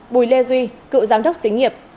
bùi lê duy cựu giám đốc xí nghiệp